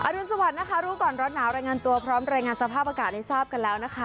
รุนสวัสดิ์นะคะรู้ก่อนร้อนหนาวรายงานตัวพร้อมรายงานสภาพอากาศให้ทราบกันแล้วนะคะ